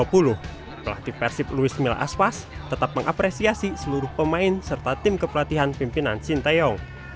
pelatih persib louis mila aspas tetap mengapresiasi seluruh pemain serta tim kepelatihan pimpinan sinteyong